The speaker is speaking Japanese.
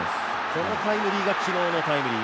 このタイムリーが昨日のタイムリー